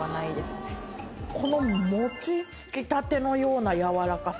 この餅つきたてのような軟らかさ。